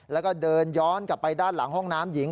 แล้วก็เดินย้อนกลับไปด้านหลังห้องน้ำหญิง